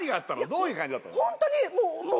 どういう感じだったの？